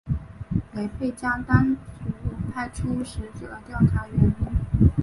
雷沛家当主派出使者调查原因。